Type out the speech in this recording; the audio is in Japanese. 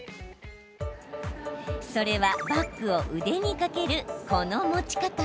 それは、バッグを腕にかけるこの持ち方。